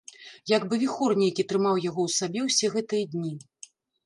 Як бы віхор нейкі трымаў яго ў сабе ўсе гэтыя дні.